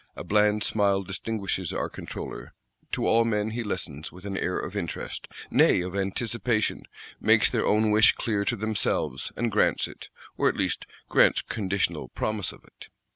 A bland smile distinguishes our Controller: to all men he listens with an air of interest, nay of anticipation; makes their own wish clear to themselves, and grants it; or at least, grants conditional promise of it.